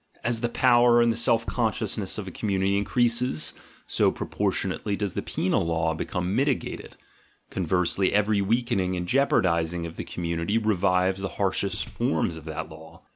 As the power and the self consciousness of a community increases, so proportionately does the penal law become mitigated; conversely every weakening and jeopardising of the community revives the harshest forms of that law.